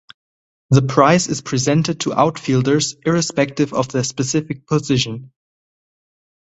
The prize is presented to outfielders irrespective of their specific position.